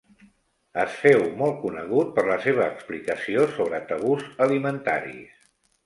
Es féu molt conegut per la seva explicació sobre tabús alimentaris.